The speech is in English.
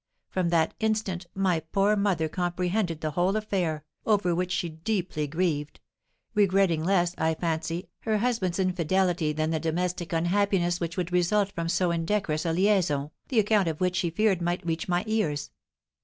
From that instant my poor mother comprehended the whole affair, over which she deeply grieved; regretting less, I fancy, her husband's infidelity than the domestic unhappiness which would result from so indecorous a liaison, the account of which she feared might reach my ears."